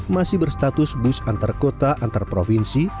masih berstatus bus antar kota antar provinsi